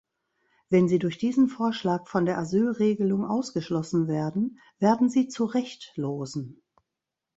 Wenn sie durch diesen Vorschlag von der Asylregelung ausgeschlossen werden, werden sie zu Rechtlosen.